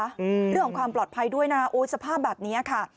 เรื่องของความปลอดภัยด้วยนะโอ้ยสภาพแบบเนี้ยค่ะ